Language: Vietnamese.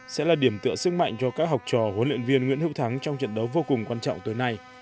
sẽ là điểm tựa sức mạnh cho các học trò huấn luyện viên nguyễn hữu thắng trong trận đấu vô cùng quan trọng tới nay